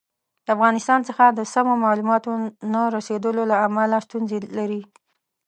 د افغانستان څخه د سمو معلوماتو نه رسېدلو له امله ستونزې لري.